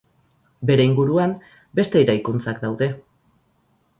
Bere inguruan, beste eraikuntzak daude.